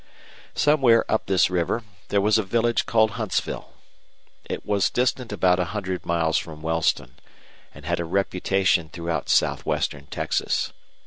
Somewhere up this river there was a village called Huntsville. It was distant about a hundred miles from Wellston, and had a reputation throughout southwestern Texas.